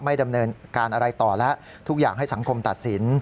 ดำเนินการอะไรต่อแล้วทุกอย่างให้สังคมตัดสิน